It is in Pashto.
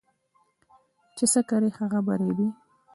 چې څه کرې هغه به ريبې